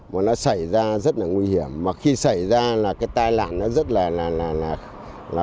mà nó xảy ra rất là nguy hiểm mà khi xảy ra là cái tai nạn nó rất là